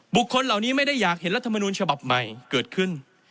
คนเหล่านี้ไม่ได้อยากเห็นรัฐมนูลฉบับใหม่เกิดขึ้น